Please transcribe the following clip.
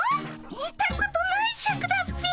見たことないシャクだッピ。